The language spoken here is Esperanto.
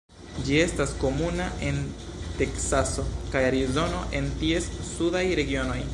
Ĝi estas komuna en Teksaso kaj Arizono en ties sudaj regionoj.